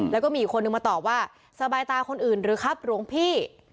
แล้วก็มีอีกคนนึงมาตอบว่าสบายตาคนอื่นหรือครับหลวงพี่